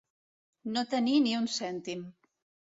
No tenir ni un cèntim.